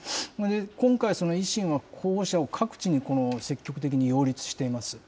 今回、維新は候補者を各地に積極的に擁立しています。